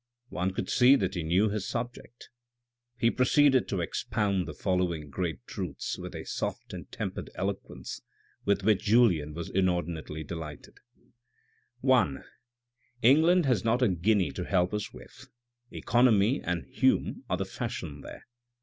One could see that he knew his subject. He proceeded to expound the following great truths with a soft and tempered eloquence with which Julien was inordinately delighted :—" i. England has not a guinea to help us with ; economy and Hume are the fashion there.